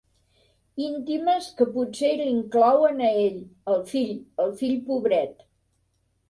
Íntimes que potser l'inclouen a ell, el fill, el fill pobret.